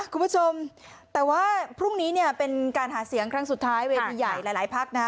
คุณผู้ชมแต่ว่าพรุ่งนี้เนี่ยเป็นการหาเสียงครั้งสุดท้ายเวทีใหญ่หลายพักนะฮะ